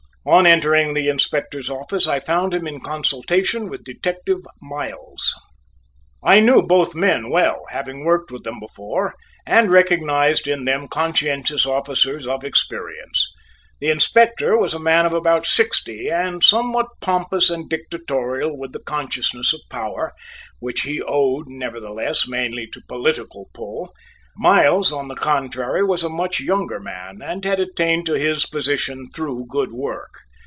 On entering the Inspector's office, I found him in consultation with Detective Miles. I knew both men well, having worked with them before, and recognized in them conscientious officers of experience. The Inspector was a man of about sixty and somewhat pompous and dictatorial with the consciousness of power, which he owed, nevertheless, mainly to "political pull." Miles, on the contrary, was a much younger man, and had attained to his position through good work.